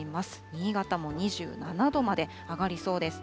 新潟も２７度まで上がりそうです。